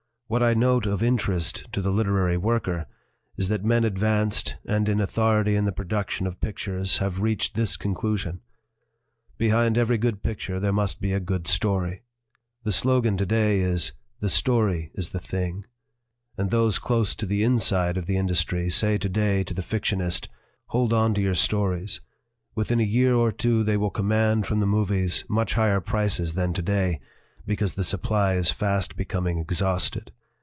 What I note of interest to the literary worker is that men 182 BUSINESS AND ART advanced and in authority in the production of pictures have reached this conclusion: Behind every good picture there must be a good story. The slogan to day is 'The story is the thing.' And those close to the 'inside' of the industry say to day to the fictionist: 'Hold on to your stories. Within a year or two they will command from the movies much higher prices than to day, because the supply is fast becoming exhausted."